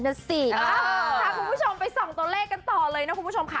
พาคุณผู้ชมไปส่องตัวเลขกันต่อเลยนะคุณผู้ชมค่ะ